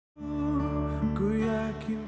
aku masih ada disini